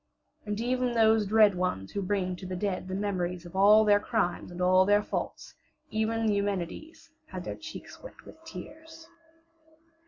And even those dread ones who bring to the dead the memories of all their crimes and all their faults, even the Eumenides had their cheeks wet with tears.